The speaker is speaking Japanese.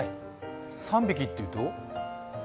３匹っていうと？